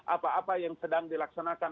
apa apa yang sedang dilaksanakan